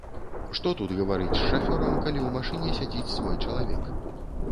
Што тут гаварыць з шафёрам, калі ў машыне сядзіць свой чалавек!